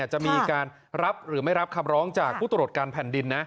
จะมีการรับหรือไม่รับคำร้องจากผู้ตรวจการแผ่นดิน